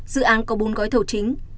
dự án có bốn gói thầu chính